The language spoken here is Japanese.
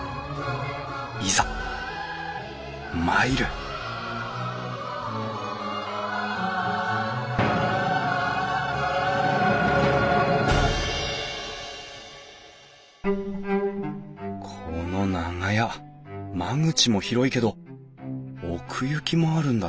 いざ参るこの長屋間口も広いけど奥行きもあるんだ